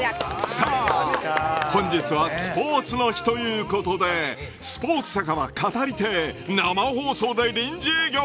本日はスポーツの日ということで「スポーツ酒場“語り亭”」生放送で臨時営業。